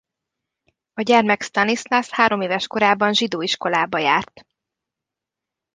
A gyermek Stanislas hároméves korában zsidó iskolába járt.